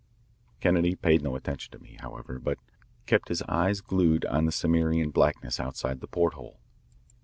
Kennedy paid no attention to me, however, but kept his eyes glued on the Cimmerian blackness outside the porthole.